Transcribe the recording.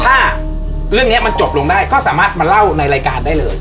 ถ้าเรื่องนี้มันจบลงได้ก็สามารถมาเล่าในรายการได้เลย